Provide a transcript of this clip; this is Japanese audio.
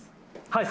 はい。